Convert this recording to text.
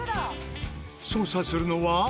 捜査するのは。